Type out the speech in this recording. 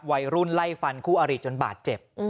วัยรุ่นไล่ฟันคู่อริจนบาดเจ็บ